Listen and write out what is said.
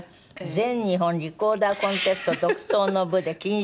全日本リコーダーコンテスト独奏の部で金賞を３度も。